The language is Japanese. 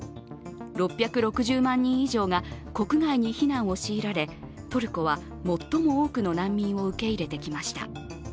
６６０万人以上が国外に避難を強いられトルコは最も多くの難民を受け入れてきました。